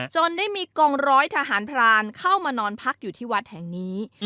ได้มีกองร้อยทหารพรานเข้ามานอนพักอยู่ที่วัดแห่งนี้